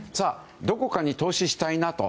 どこかに投資したいなと。